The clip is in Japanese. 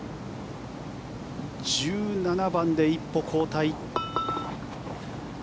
１７番で一歩後退。